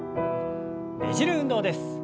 ねじる運動です。